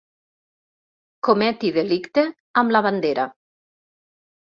Cometi delicte amb la bandera.